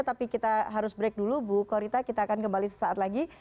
tapi kita harus break dulu bu korita kita akan kembali sesaat lagi